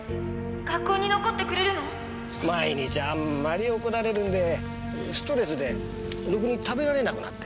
毎日あんまり怒られるんでストレスでろくに食べられなくなって。